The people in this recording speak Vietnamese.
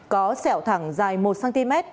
có sẹo thẳng dài một cm